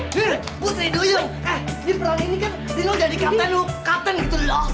apa putri duyung eh di perang ini kan lino jadi kapten lo kapten gitu loh